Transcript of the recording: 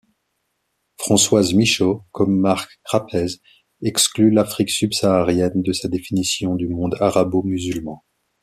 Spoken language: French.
Françoise Micheau comme Marc Crapez exclut l'Afrique subsaharienne de sa définition du monde arabo-musulman.